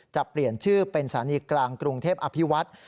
จะเปลี่ยนชื่อเป็นสถานีกลางกรุงเทพอภิวัฒน์